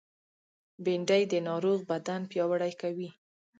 بېنډۍ د ناروغ بدن پیاوړی کوي